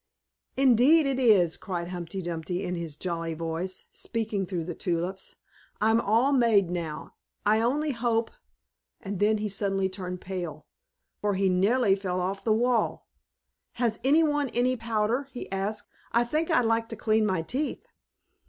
"Indeed it is!" cried Humpty Dumpty in his jolly voice, speaking through the tulips. "I'm all made now. I only hope " And then he suddenly turned pale, for he nearly fell off the wall. "Has any one any powder?" he asked. "I think I'd like to clean my teeth."